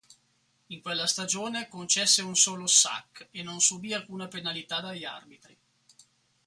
In quella stagione concesse un solo sack e non subì alcuna penalità dagli arbitri.